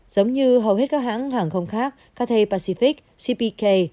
giống như hầu hết các hãng hàng không khác cathe pacific cpk